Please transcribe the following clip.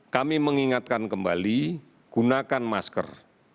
kami mengingatkan kembali gunakan masker